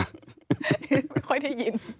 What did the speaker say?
ไม่ค่อยได้ยิน